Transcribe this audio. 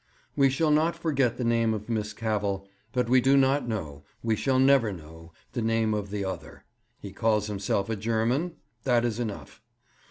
We shall not forget the name of Miss Cavell, but we do not know, we never shall know, the name of the other. He calls himself a German that is enough.